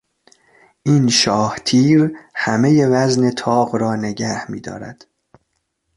این شاه تیر همهی وزن طاق را نگه میدارد.